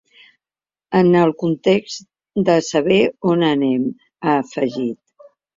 “En el context de saber on anem”, ha afegit.